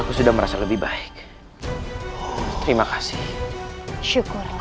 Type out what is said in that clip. kau mengambil makanan kum